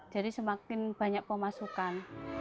jadi semakin banyak pemasukan